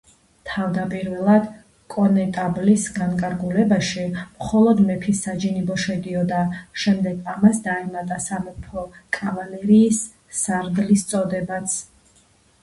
თავდაპირველად კონეტაბლის განკარგულებაში მხოლოდ მეფის საჯინიბო შედიოდა, შემდეგ ამას დაემატა სამეფო კავალერიის სარდლის წოდებაც.